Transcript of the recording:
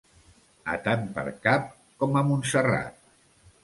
A tant per cap, com a Montserrat.